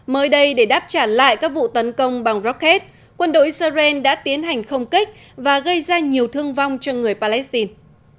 mới đây để đáp trả lại các vụ tấn công bằng rocket quân đội israel đã tiến hành không kích và gây ra nhiều thương vong cho người palestine